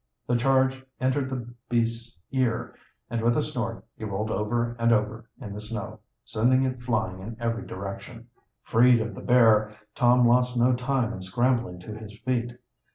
The charge entered the beast's ear, and with a snort he rolled over and over in the snow, sending it flying in every direction. Freed of the bear, Tom lost no time in scrambling to his feet.